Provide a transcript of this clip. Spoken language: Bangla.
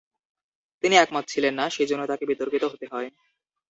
তিনি একমত ছিলেন না, সেইজন্য তাকে বিতর্কিত হতে হয়।